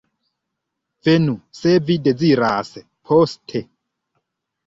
Venu, se vi deziras, poste.